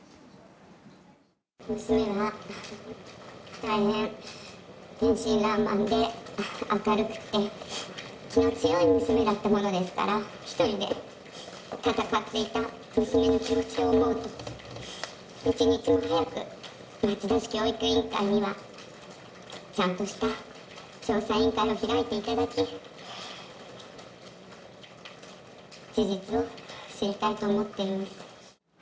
娘は大変、天真らんまんで、明るくて、気の強い娘だったものですから、１人で闘っていた娘の気持ちを思うと、一日も早く町田市教育委員会にはちゃんとした調査委員会を開いていただき、事実を知りたいと思っています。